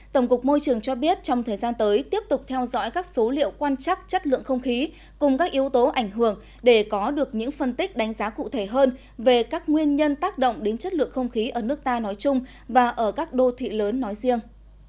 tổng cục môi trường cho biết trong thời gian tới tiếp tục theo dõi các số liệu quan chắc chất lượng không khí cùng các yếu tố ảnh hưởng để có được những phân tích đánh giá cụ thể hơn về các nguyên nhân tác động đến chất lượng không khí ở nước ta nói chung và ở các đô thị lớn nói riêng